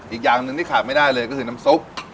อีกอย่างหนึ่งที่ขาดไม่ได้เลยก็คือน้ำซุป